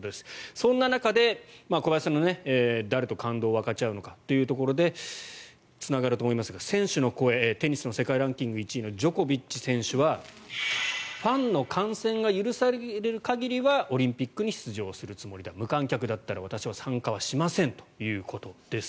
そんな中で、小林さんの誰と感動を分かち合うのかというところにつながると思いますが選手の声テニスの世界ランキング１位のジョコビッチ選手はファンの観戦が許される限りはオリンピックに出場するつもりだ無観客だったら、私は参加はしませんということです。